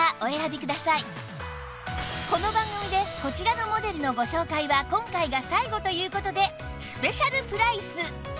この番組でこちらのモデルのご紹介は今回が最後という事でスペシャルプライス！